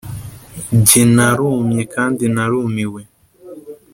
jye narumye kandi narumiwe